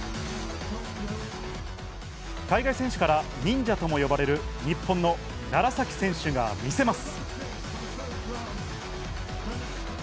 海外選手からニンジャとも呼ばれる日本の楢崎選手が見せます。